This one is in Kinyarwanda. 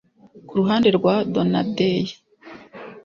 Ku ruhande rwa Donadei